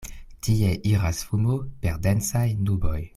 Tie iras fumo per densaj nuboj.